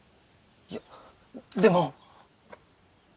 いやでも。